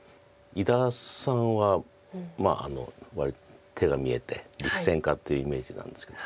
伊田さんはまあ手が見えて力戦家というイメージなんですけど。